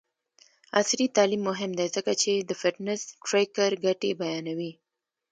عصري تعلیم مهم دی ځکه چې د فټنس ټریکر ګټې بیانوي.